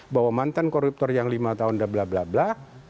bahwa mantan koruptor yang lima tahun blablabla